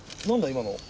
今の。